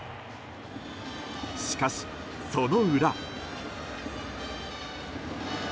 しかし、その裏。